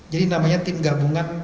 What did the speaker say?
jadi namanya tim gabungan